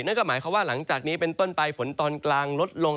นั่นก็หมายความว่าหลังจากนี้เป็นต้นไปฝนตอนกลางลดลง